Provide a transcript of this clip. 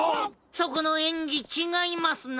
そこのえんぎちがいますな！